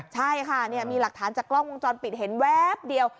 ใช่ค่ะมีหลักฐานจากกล้องวงจรปิดเห็นแวบเดียว